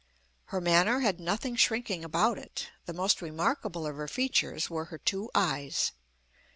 Her manner had nothing shrinking about it. The most remarkable of her features were her two eyes.